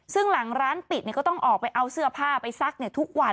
ซึ่งหลังร้านปิดก็ต้องออกไปเอาเสื้อผ้าไปซักทุกวัน